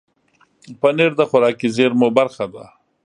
پنېر د خوراکي زېرمو برخه ده.